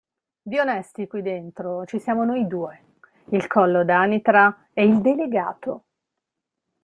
Di onesti qui dentro ci siamo noi due, il Collo d'anitra, e il Delegato.